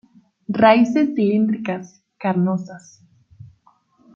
Raíces cilíndricas, carnosas.